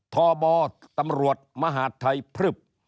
ท่อบอร์ตำรวจมหาธัยพลึบ